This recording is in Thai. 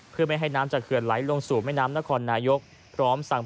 เพื่อไม่ให้น้ำจากเข็ดไหลลงสู่แม่น้ำแม่งนครนายก